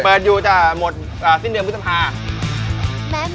เปิดอยู่จะหมดสิ้นเดือนพฤษภา